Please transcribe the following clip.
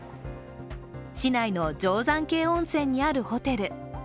市内の定山渓温泉にあるホテル。